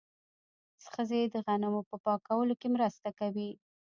ښځې د غنمو په پاکولو کې مرسته کوي.